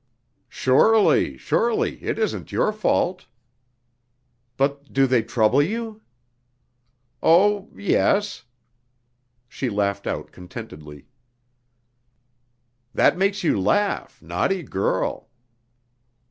"Surely, surely! It isn't your fault." "But do they trouble you?" "Oh, yes." She laughed out contentedly. "That makes you laugh, naughty girl!"